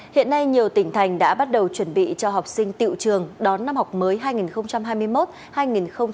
hiện nay nhiều tỉnh thành đã bắt đầu chuẩn bị cho học sinh tiệu trường đón năm học mới hai nghìn hai mươi một hai nghìn hai mươi năm